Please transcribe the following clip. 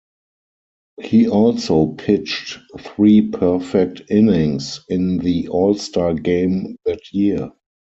He also pitched three perfect innings in the All-Star Game that year.